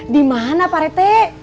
di mana pak rete